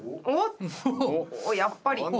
おっやっぱり。